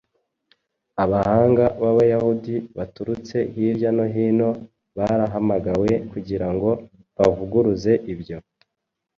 Abahanga b’Abayahudi baturutse hirya no hino barahamagawe kugira ngo bavuguruze ibyo